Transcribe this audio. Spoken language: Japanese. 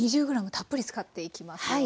２０ｇたっぷり使っていきますよ。